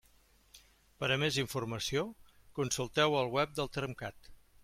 Per a més informació, consulteu el web del Termcat.